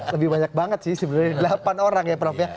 lebih banyak banget sih sebenarnya delapan orang ya prof ya